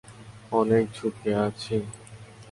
অনেক ঝুকি আছে।